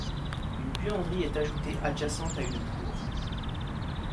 Une buanderie est ajoutée, adjacente à une cour.